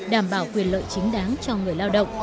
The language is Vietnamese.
đảm bảo quyền lợi chính đáng cho người lao động